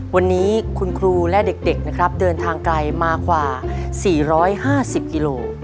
วันนี้คุณครูและเด็กนะครับเดินทางไกลมากว่า๔๕๐กิโล